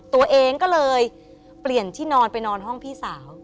ตัวเองก็เลยเปลี่ยนที่นอนไปนอนห้องพี่สาว